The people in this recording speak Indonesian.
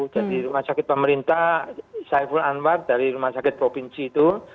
jadi rumah sakit pemerintah saifur anwar dari rumah sakit provinsi itu